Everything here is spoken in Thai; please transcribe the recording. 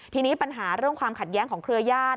ทีนี้ปัญหาเรื่องความขัดแย้งของเครือญาติ